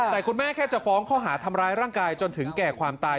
แต่คุณแม่แค่จะฟ้องข้อหาทำร้ายร่างกายจนถึงแก่ความตาย